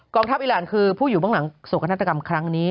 กองทัพอีรานคือผู้อยู่ข้างหลังสกนาธารกรรมครั้งนี้